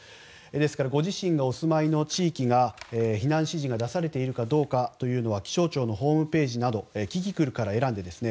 ですからご自身がお住まいの地域が避難指示が出されているかどうかは気象庁のホームページのキキクルから選んで。